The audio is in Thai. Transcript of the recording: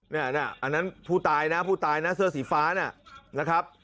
นั่นอันนั้นผู้ตายนะผู้ตายนะเสื้อสีฟ้านะครับ